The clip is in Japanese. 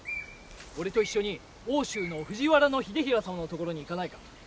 俺と一緒に奥州の藤原秀衡様のところに行かないか？